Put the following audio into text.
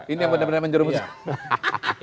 ini yang benar benar menjerumuskan